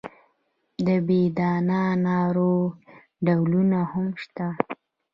د بې دانه انارو ډولونه هم شته.